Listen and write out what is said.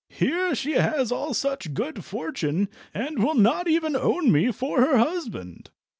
"Here she has all such good fortune, and will not even own me for her husband!"